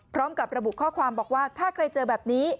พร้อมกับระบุข้อความบอกว่าถ้าใครเจอแบบนี้